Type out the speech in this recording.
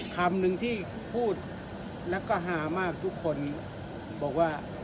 คำหนึ่งที่พูดแล้วก็หามากทุกคนบอกว่า